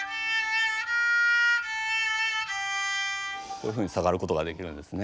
こういうふうに下がることができるんですね。